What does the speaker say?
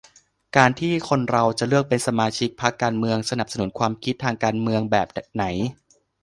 การที่คนเราจะเลือกเป็นสมาชิกพรรคการเมือง-สนับสนุนความคิดทางการเมืองแบบไหน